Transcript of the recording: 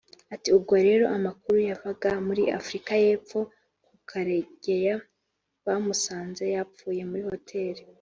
Ati “Ubwo rero amakuru yavaga muri Afurika y’Epfo ko Karegeya bamusanze yapfuye muri hoteli